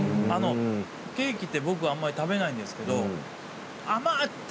ケーキって僕あんまり食べないんですけど甘っ！